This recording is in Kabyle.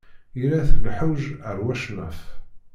Irra-t lḥewj ar wacnaf.